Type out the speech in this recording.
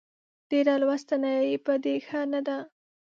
ډېره لوستنه يې په دې ښه نه ده